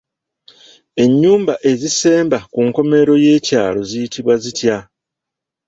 Enyumba ezisemba ku nkomerero y'ekyalo ziyitibwa zitya?